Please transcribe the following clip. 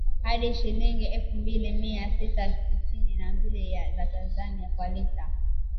hadi shilingi elfu mbili mia sita tisini na mbili za Tanzania kwa lita